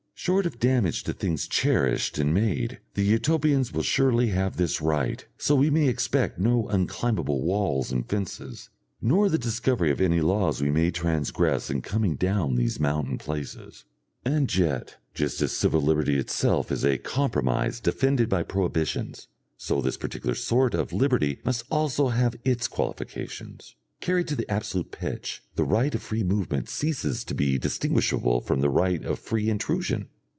Short of damage to things cherished and made, the Utopians will surely have this right, so we may expect no unclimbable walls and fences, nor the discovery of any laws we may transgress in coming down these mountain places. And yet, just as civil liberty itself is a compromise defended by prohibitions, so this particular sort of liberty must also have its qualifications. Carried to the absolute pitch the right of free movement ceases to be distinguishable from the right of free intrusion.